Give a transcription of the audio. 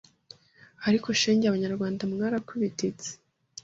ariko shenge abanyarwanda mwarakubititse